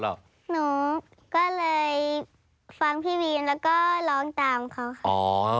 หนูก็เลยฟังพี่วีนแล้วก็ร้องตามเขาค่ะ